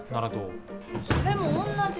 それも同じだよ。